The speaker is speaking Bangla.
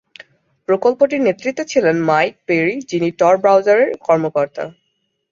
প্রকল্পটির নেতৃত্বে ছিলেন মাইক পেরি, যিনি টর ব্রাউজারের কর্মকর্তা।